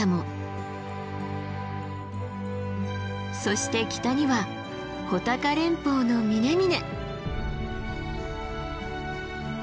そして北には穂高連峰の峰々。